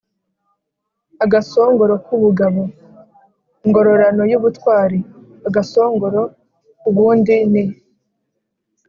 agasongoro k’ubugabo: ingororano y’ubutwari agasongoro ubundi ni